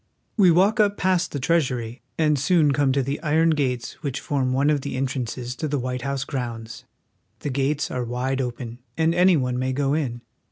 We walk up past the Treasury, and soon come to the iron gates which form one of the entrances to the White House grounds. The gates are wide open, and any one may go in.